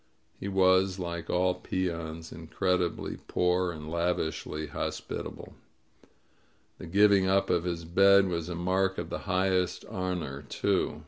He was, like all peons, incredi bly poor and lavishly hospitable. The giving up of his bed was a mark of the highest honor, too.